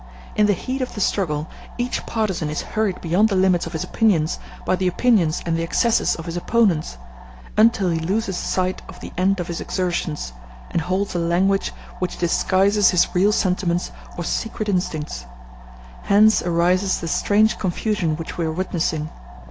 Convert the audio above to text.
In the heat of the struggle each partisan is hurried beyond the limits of his opinions by the opinions and the excesses of his opponents, until he loses sight of the end of his exertions, and holds a language which disguises his real sentiments or secret instincts. Hence arises the strange confusion which we are witnessing.